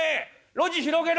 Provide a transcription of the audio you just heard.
路地広げろ！